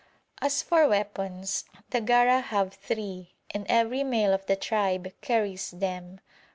As for weapons, the Gara have three, and every male of the tribe carries them.